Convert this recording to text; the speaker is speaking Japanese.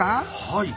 はい。